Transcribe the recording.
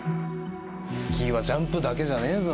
スキーはジャンプだけじゃねえぞ。